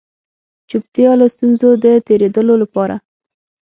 چوپتيا له ستونزو د تېرېدلو لپاره